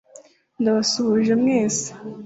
“Ndabasuhuje mwese